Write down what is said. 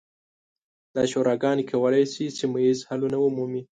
دا شوراګانې کولی شي سیمه ییز حلونه ومومي.